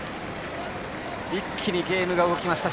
一気にゲームが動きました。